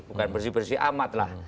bukan bersih bersih amat lah